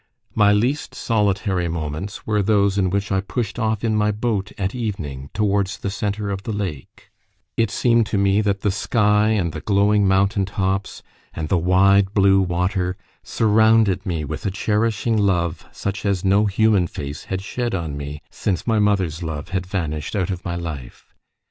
My least solitary moments were those in which I pushed off in my boat, at evening, towards the centre of the lake; it seemed to me that the sky, and the glowing mountain tops, and the wide blue water, surrounded me with a cherishing love such as no human face had shed on me since my mother's love had vanished out of my life.